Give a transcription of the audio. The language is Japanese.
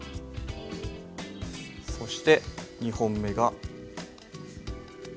そして２本目が。